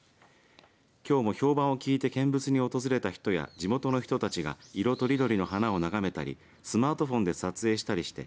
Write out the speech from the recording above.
きょうも評判を聞いて、見物に訪れた人や地元の人たちが色とりどりの花を眺めたりスマートフォンで撮影したりして